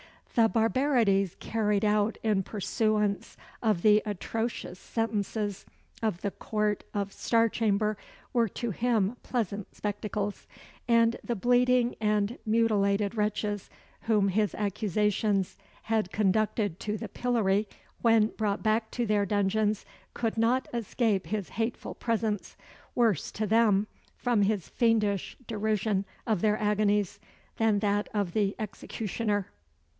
The barbarities carried out in pursuance of the atrocious sentences of the Court of Star Chamber were to him pleasant spectacles; and the bleeding and mutilated wretches, whom his accusations had conducted to the pillory, when brought back to their dungeons, could not escape his hateful presence worse to them, from his fiendish derision of their agonies, than that of the executioner.